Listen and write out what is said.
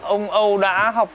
ông âu đã học